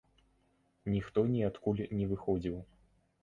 Ніхто ніадкуль не выходзіў.